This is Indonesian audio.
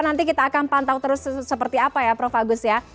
nanti kita akan pantau terus seperti apa ya prof agus ya